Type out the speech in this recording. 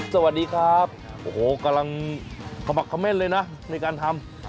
สวัสดีครับโอ้โหกำลังขมักเขม่นเลยนะในการทำ